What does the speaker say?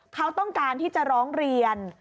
เขาต้องการที่จะร้องเรียน